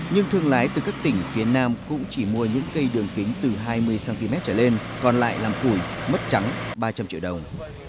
nhưng thương lái từ các tỉnh phía nam cũng chỉ mua những cây đường kính từ hai mươi cm trở lên còn lại làm củi mất trắng ba trăm linh triệu đồng